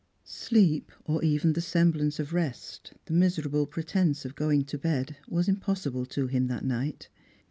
Sleep, or even the semblance of rest, the miserable pretenco of going to bed, was impossible to him that night.